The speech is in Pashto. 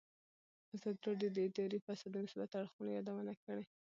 ازادي راډیو د اداري فساد د مثبتو اړخونو یادونه کړې.